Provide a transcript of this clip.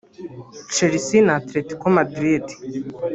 Chelsea na Atletico Madrid